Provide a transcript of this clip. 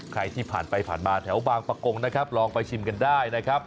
ใครที่ผ่านไปผ่านมาแถวบางประกงนะครับลองไปชิมกันได้นะครับ